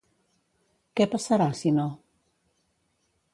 Què passarà, si no?